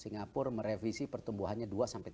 singapura merevisi pertumbuhannya